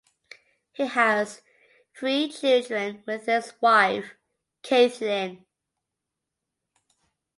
He has three children with his wife Kathleen.